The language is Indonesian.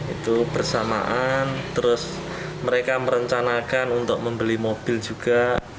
itu bersamaan terus mereka merencanakan untuk membeli mobil juga